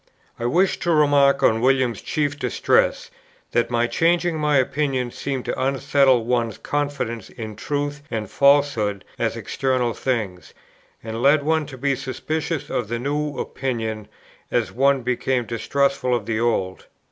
I wish to remark on William's chief distress, that my changing my opinion seemed to unsettle one's confidence in truth and falsehood as external things, and led one to be suspicious of the new opinion as one became distrustful of the old.